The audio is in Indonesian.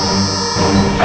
kau sudah pernah menemukan